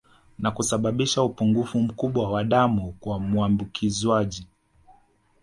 Na kusababisha upungufu mkubwa wa damu kwa muambukizwaji